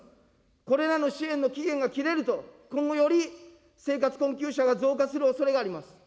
これらの支援の期限が切れると今後より生活困窮者が増加するおそれがあります。